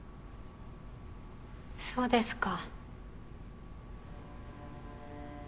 そうですか。